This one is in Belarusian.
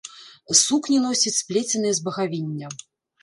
Сукні носяць сплеценыя з багавіння.